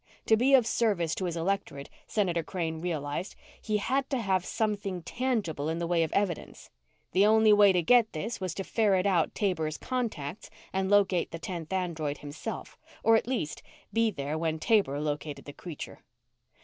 To be of service to his electorate, Senator Crane realized, he had to have something tangible in the way of evidence. The only way to get this was to ferret out Taber's contacts and locate the tenth android himself, or at least be there when Taber located the creature.